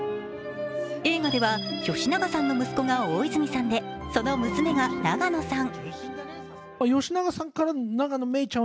映画では、吉永さんの息子が大泉さんで、その娘が永野さん。